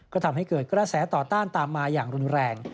ก็ทำให้เกิดกระแสต่อต้านตามมาอย่างรุนแรง